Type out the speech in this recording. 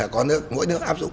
có nước mỗi nước áp dụng